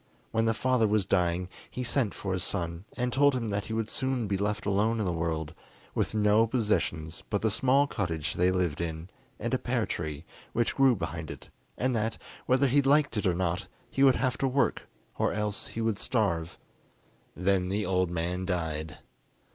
When the father was dying, he sent for his son and told him that he would soon be left alone in the world, with no possessions but the small cottage they lived in and a pear tree which grew behind it, and that, whether he liked it or not, he would have to work, or else he would starve. Then the old man died.